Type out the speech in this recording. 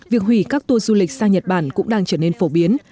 việc hủy các tour du lịch sang nhật bản cũng đang trở nên phổ biến